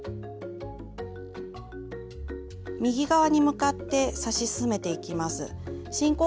右側に向かって刺し進めていきます。